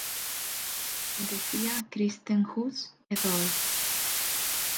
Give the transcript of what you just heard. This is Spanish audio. Decía Christenhusz et al.